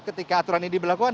ketika aturan ini diberlakukan